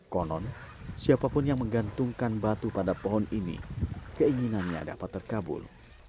konon siapapun yang menggantungkan batu pada pohon ini keinginannya dapat terkabul